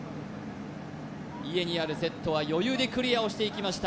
家にあるセットは余裕でクリアをしていきました